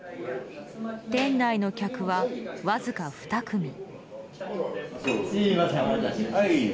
店内の客は、わずか２組。